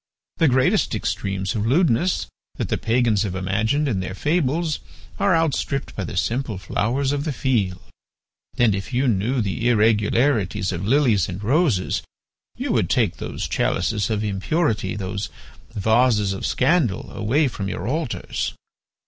The greatest extremes of lewdness that the pagans have imagined in their fables are outstripped by the simple flowers of the field, and, if you knew the irregularities of lilies and roses you would take those chalices of impurity, those vases of scandal, away from your altars."